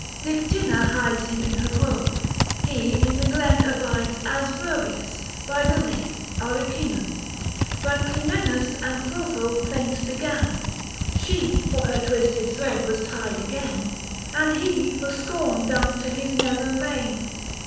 DiGtynna hides Him in her grove ; he in the glen abides As Virbius, by the lake Aricinan : 910 But Clymenus and Clotho plaints began ; She for her twisted thread was tied again, And he for scorn done to his nether reign.